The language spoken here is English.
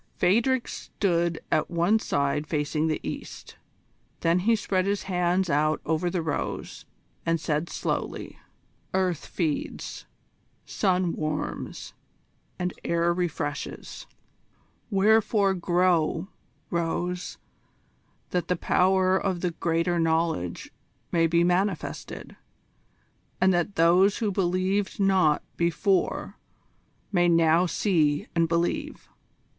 Phadrig stood at one side facing the east. Then he spread his hands out above the rose, and said slowly: "Earth feeds, sun warms, and air refreshes: wherefore grow, rose, that the power of the Greater Knowledge may be manifested, and that those who believed not before may now see and believe."